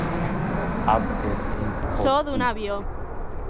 аб еб иб об уб